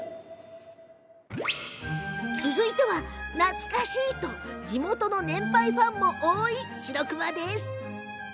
続いては、懐かしい！と地元の年配ファンも多いしろくまです。